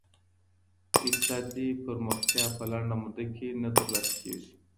اقتصادي پرمختیا په لنډه موده کي نه ترلاسه کیږي.